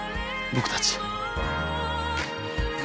僕たち。